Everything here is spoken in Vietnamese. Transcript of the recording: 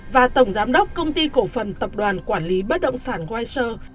và tổng giám đốc công ty cổ phần tập đoàn quản lý bất động sản wiser